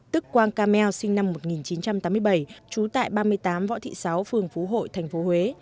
tức quang camel sinh năm một nghìn chín trăm tám mươi bảy trú tại ba mươi tám võ thị sáu phường phú hội thành phố huế